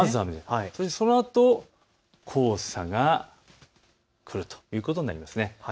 そしてそのあと黄砂が来るということになります。